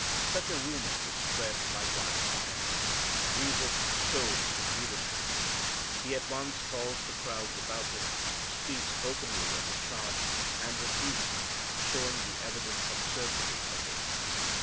Such a rumor would Spread like wildfire. Jesus shows His leadership. He at once calls the crowds about Him, speaks openly of the charge, and refutes it, showing the evident absurdity of it.